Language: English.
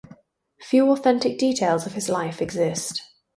Few authentic details of his life exist.